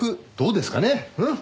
うん！